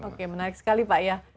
oke menarik sekali pak ya